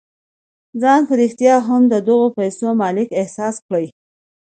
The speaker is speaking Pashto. ځان په رښتيا هم د دغو پيسو مالک احساس کړئ.